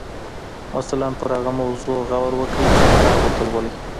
مثلاً پر هغه موضوع غور وکړئ چې کتاب ورته لولئ.